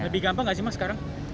lebih gampang nggak sih mas sekarang